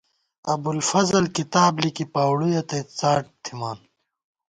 ابُوالفضل کتاب لِکی پاؤڑُیَہ تئ څاٹ تھِمان